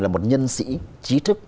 là một nhân sĩ trí thức